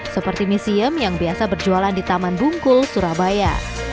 seperti misiem yang biasa berjualan di taman bungkul surabaya